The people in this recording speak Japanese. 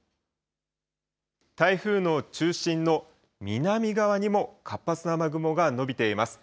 台風の中心の南側にも活発な雨雲が延びています。